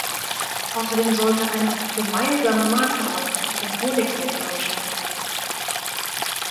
Außerdem sollte eine Gemeinsame Marktordnung für den Honigsektor geschaffen werden.